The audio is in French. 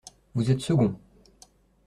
Vous êtes second.